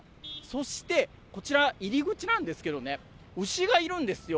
そして、こちら入り口なんですけどね、牛がいるんですよ。